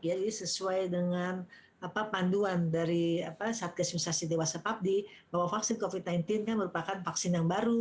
jadi sesuai dengan panduan dari saat kesempatan dewasa papdi bahwa vaksin covid sembilan belas merupakan vaksin yang baru